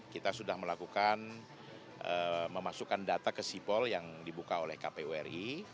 kita sudah melakukan memasukkan data ke sipol yang dibuka oleh kpu ri